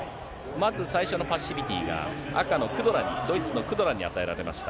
まず、最初のパッシビティが赤のクドラに、ドイツのクドラに与えられました。